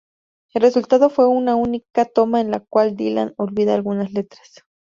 El resultado fue una única toma en la cual Dylan olvida algunas letras.